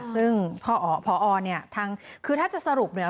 ซึ่งพอเนี่ยทางคือถ้าจะสรุปเนี่ย